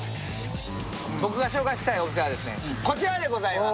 僕が紹介したいお店はこちらでございます。